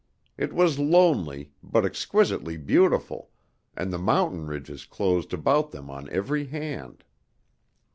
It was lonely, but exquisitely beautiful, and the mountain ridges closed about them on every hand.